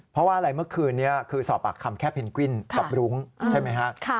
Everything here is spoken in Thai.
เพราะว่าอะไรเมื่อคืนนี้คือสอบปากคำแค่เพนกวินกับรุ้งใช่ไหมฮะ